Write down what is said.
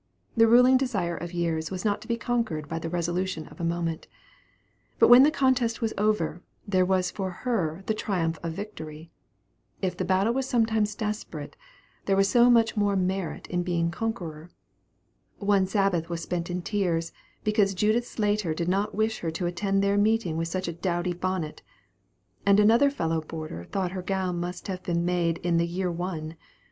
The ruling desire of years was not to be conquered by the resolution of a moment; but when the contest was over, there was for her the triumph of victory. If the battle was sometimes desperate, there was so much more merit in being conqueror. One Sabbath was spent in tears, because Judith Slater did not wish her to attend their meeting with such a dowdy bonnet; and another fellow boarder thought her gown must have been made in "the year one."